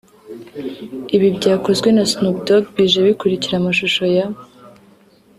Ibi byakozwe na Snoop Dogg bije bikurikira amashusho ya